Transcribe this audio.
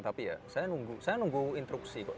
tapi ya saya nunggu instruksi kok